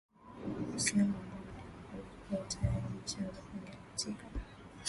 Uislamu ambao ulikuwa tayari umeshaaza kuingia katika